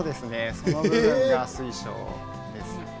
その部分が水晶です。